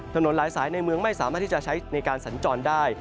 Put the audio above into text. หลายสายในเมืองไม่สามารถที่จะใช้ในการสัญจรได้